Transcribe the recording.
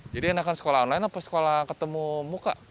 jadi enakan sekolah online apa sekolah ketemu muka